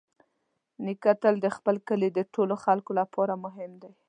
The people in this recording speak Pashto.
نیکه تل د خپل کلي د ټولو خلکو لپاره مهم دی.